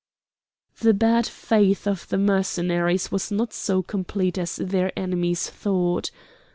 The bad faith of the Mercenaries was not so complete as their enemies thought.